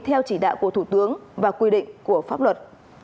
theo chỉ đạo của thủ tướng và quy định của pháp luật